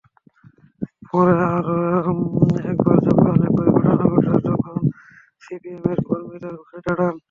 পরে আরও একবার যখন একই ঘটনা ঘটে, তখন সিপিএমের কর্মীরা রুখে দাঁড়ান।